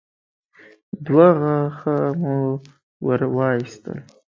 دوه غاښه مو ور وايستل.